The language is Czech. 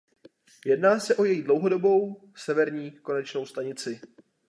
Jedná se o její dlouhodobou severní konečnou stanici.